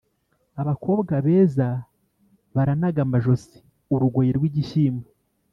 Abakobwa beza baranaga amajosi-Urugoyi rw'igishyimbo.